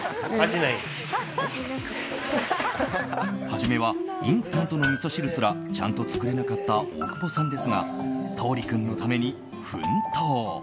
初めはインスタントのみそ汁すらちゃんと作れなかった大久保さんですが橙利君のために奮闘。